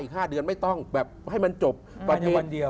อีก๕เดือนไม่ต้องแบบให้มันจบประเทน